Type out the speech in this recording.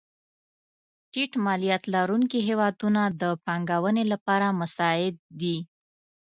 ټیټ مالیات لرونکې هېوادونه د پانګونې لپاره مساعد دي.